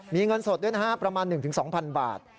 มีเงินสดด้วยนะฮะประมาณ๑๒๐๐๐บาท